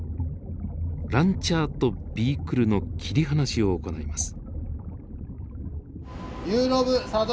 ランチャーとビークルの切り離しを行います。